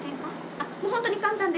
あっもうホントに簡単です。